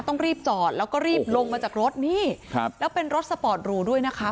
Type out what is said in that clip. ต้องรีบจอดแล้วก็รีบลงมาจากรถนี่ครับแล้วเป็นรถสปอร์ตหรูด้วยนะคะ